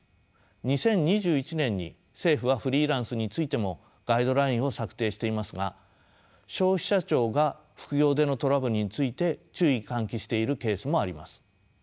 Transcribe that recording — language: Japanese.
２０２１年に政府はフリーランスについてもガイドラインを策定していますが消費者庁が副業でのトラブルについて注意喚起しているケースもあります。